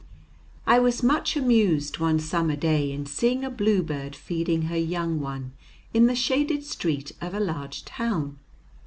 I was much amused one summer day in seeing a bluebird feeding her young one in the shaded street of a large town.